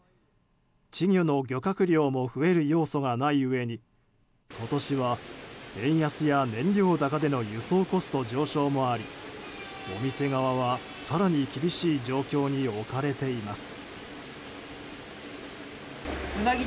稚魚の漁獲量も増える要素がないうえに今年は円安や燃料高での輸送コスト上昇もありお店側は更に厳しい状況に置かれています。